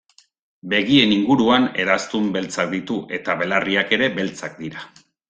Begien inguruan eraztun beltzak ditu eta belarriak ere beltzak dira.